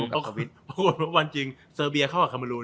อ้ะพลังของว่าวันจริงเซอร์เบียเข้ากับคามารูน